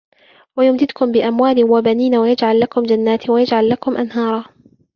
وَيُمدِدكُم بِأَموالٍ وَبَنينَ وَيَجعَل لَكُم جَنّاتٍ وَيَجعَل لَكُم أَنهارًا